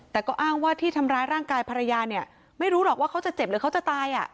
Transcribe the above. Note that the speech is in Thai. แต่ก็อ้างว่าที่ทำร้ายร่างกายภรรยาเนี่ยไม่รู้หรอกว่าเขาจะเจ็บหรือเขาจะตาย